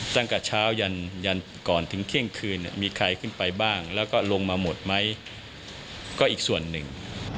ตั้งแต่เช้ายันก่อนถึงเที่ยงคืนมีใครขึ้นไปบ้างแล้วก็ลงมาหมดไหมก็อีกส่วนหนึ่ง